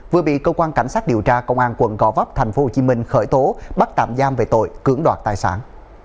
vừa bị cơ quan cảnh sát điều tra công an quận gò vấp tp hcm khởi tố bắt tạm giam về tội cưỡng đoạt tài sản